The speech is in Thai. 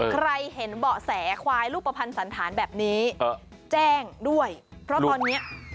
ใครเห็นเบาะแสควายรูปประพันธ์สันธารแบบนี้